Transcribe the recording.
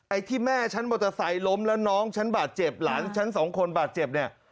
ที่แม่ฉันมอเตอร์ไซค์ล้มแล้วน้องฉันบาดเจ็บหลานฉันสองคนบาดเจ็บเนี่ย